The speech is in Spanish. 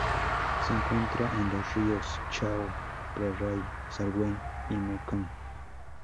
Se encuentra en los ríos Chao Phraya, Salween y Mekong.